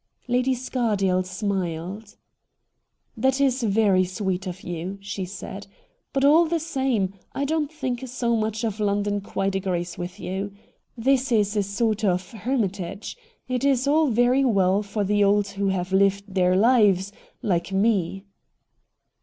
Lady Scardale smiled. 'That is very sweet of you,' she said. ' But all the same, I don't think so much of London quite agrees with you. This is a sort of hermitage. It is all very well for the old who have lived their Hves — like me.'